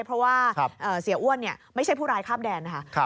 เพราะว่าเสียอ้วนไม่ใช่ผู้ร้ายข้ามแดนนะคะ